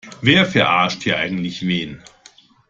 Wer verarscht hier eigentlich wen?